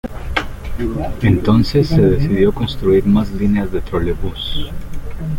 Entonces, se decidió construir más líneas de trolebús.